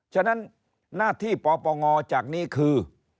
ฉะนั้นหน้าที่ปปงจากนี้คือ